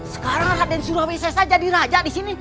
sekarang raden sulawesi saja diraja disini